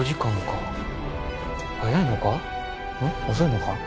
遅いのか？